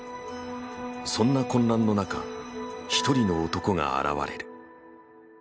そんな混乱の中一人の男が現れる。